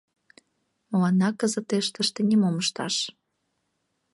Мыланна кызытеш тыште нимом ышташ.